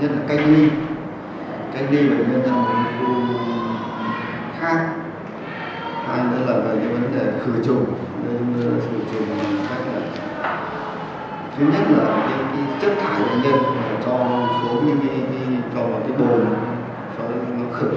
thứ nhất là cái vấn đề khử trùng thứ nhất là cái chất thải của nhân cho xuống cái bồn cho nó khử